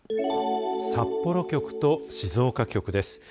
札幌局と静岡局です。